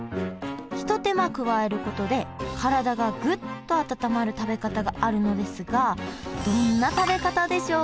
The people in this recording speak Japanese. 一手間加えることで体がグッと温まる食べ方があるのですがどんな食べ方でしょう？